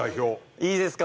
いいですか？